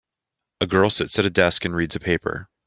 A girl sits at a desk and reads a paper.